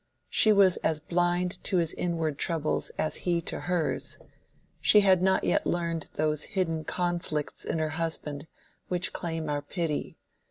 She was as blind to his inward troubles as he to hers: she had not yet learned those hidden conflicts in her husband which claim our pity.